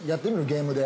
ゲームで。